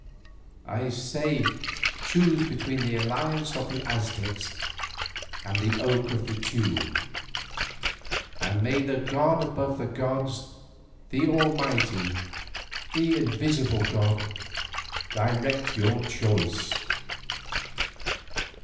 I say choose between the alliance of the Aztec and the yoke of the Teule, and may the god above the gods, the almighty, the invisible god, direct your choice."